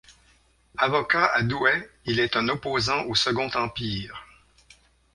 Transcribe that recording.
Avocat à Douai, il est un opposant au Second Empire.